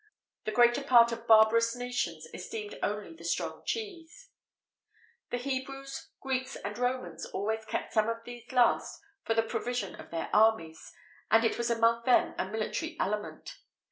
The greater part of barbarous nations esteemed only the strong cheese.[XVIII 49] The Hebrews, Greeks, and Romans, always kept some of these last for the provision of their armies, and it was among them a military aliment.